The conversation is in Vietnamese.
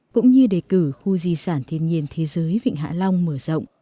cũng như đề cử khu di sản thiên nhiên thế giới vịnh hạ long mở rộng